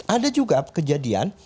ada juga kejadian